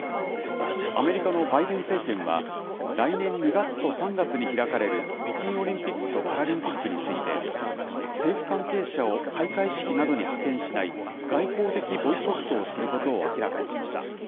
アメリカのバイデン政権は、来年２月と３月に開かれる北京オリンピックとパラリンピックについて、政府関係者を開会式などに派遣しない、外交的ボイコットをすることを明らかにしました。